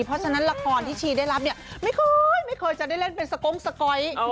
เพราะฉะนั้นละครที่ชีได้รับเนี่ยไม่เคยไม่เคยจะได้เล่นเป็นสก้งสก๊อย